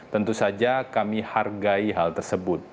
tentu saja kami hargai hal tersebut